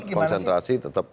tetap konsentrasi tetap